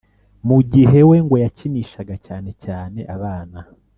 mu gihe ngo we yakinishaga cyane cyane abana